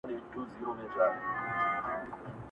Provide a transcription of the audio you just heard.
چي پاچا ته خبر راغی تر درباره!.